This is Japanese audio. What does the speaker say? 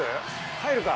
入るか？